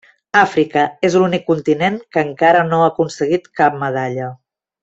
Àfrica és l'únic continent que encara no ha aconseguit cap medalla.